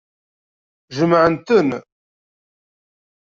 Jemɛent-ten.